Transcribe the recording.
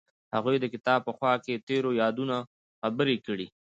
هغوی د کتاب په خوا کې تیرو یادونو خبرې کړې.